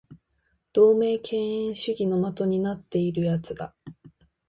同盟敬遠主義の的になっている奴だ